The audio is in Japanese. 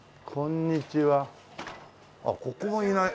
あっここがいない。